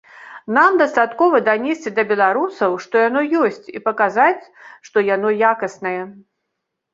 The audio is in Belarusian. Нам дастаткова данесці да беларусаў, што яно ёсць і паказаць, што яно якаснае.